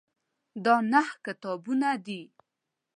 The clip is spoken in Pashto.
دا نهه کتابونه دي.